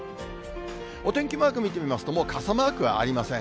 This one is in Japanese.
お天気マーク見てみますと、もう傘マークはありません。